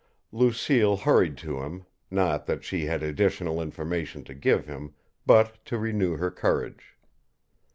Lucille hurried to him, not that she had additional information to give him, but to renew her courage.